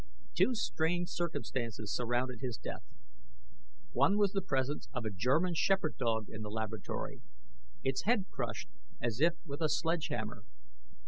Two strange circumstances surrounded his death. One was the presence of a German shepherd dog in the laboratory, its head crushed as if with a sledgehammer.